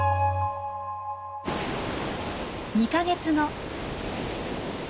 ２か月後。